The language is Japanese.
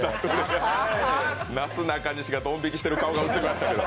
なすなかにしがドン引きしてる顔してましたけど。